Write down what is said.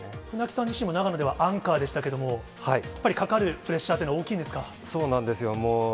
船木さん自身も長野ではアンカーでしたけど、やっぱりかかるプレッシャーというのは大きいんそうなんですよ。